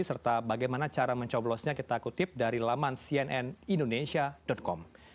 serta bagaimana cara mencoblosnya kita kutip dari laman cnnindonesia com